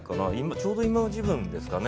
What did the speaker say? ちょうど今時分ですかね。